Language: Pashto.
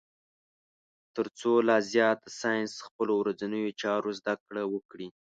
تر څو لا زیات د ساینس خپلو ورځنیو چارو زده کړه وکړي.